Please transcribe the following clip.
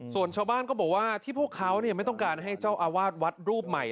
ส่วนชาวบ้านก็บอกว่าที่พวกเขาไม่ต้องการให้เจ้าอาวาสวัดรูปใหม่